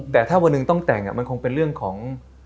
แต่ถ้าวันหนึ่งต้องแต่งมันคงเป็นเรื่องของ